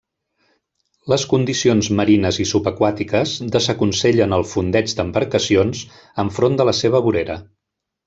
Les condicions marines i subaquàtiques desaconsellen el fondeig d'embarcacions enfront de la seva vorera.